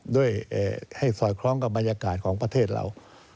ด้วยให้สอดคล้องกับบรรยากาศของประเทศเรา